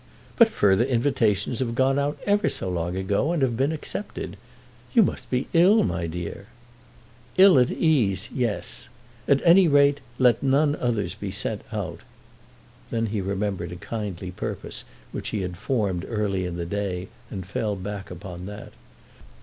"But further invitations have gone out ever so long ago, and have been accepted. You must be ill, my dear." "Ill at ease, yes. At any rate let none others be sent out." Then he remembered a kindly purpose which he had formed early in the day, and fell back upon that.